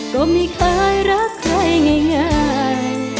ก็ไม่เคยรักใครง่าย